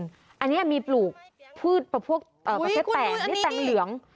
วันนี้มีปลูกผู้ตระเภทแอ๋นเหลือง